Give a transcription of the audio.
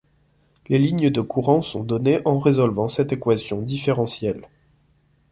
Les lignes de courant sont données en résolvant cette équation différentielle.